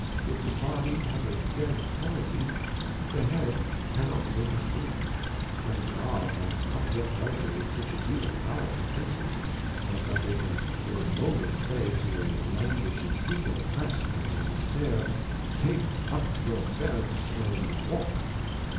If the Body have a dead Palsie, the Head cannot make it move ; and God hath not yet delegated such a healing power to Princes, as that they can in a moment say to a Languishing People oppress'd and in despair, Take up your Beds and walk.